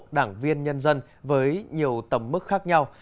đảng viên nhân dân với nhiều tầm mức khác nhau